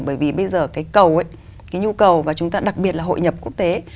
bởi vì bây giờ cái cầu ấy cái nhu cầu và chúng ta đặc biệt là hội nhập quốc tế